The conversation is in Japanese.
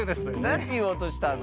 なんていおうとしたの？